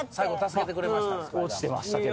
落ちてましたけどね。